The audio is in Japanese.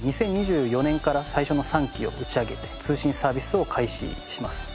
２０２４年から最初の３機を打ち上げて通信サービスを開始します。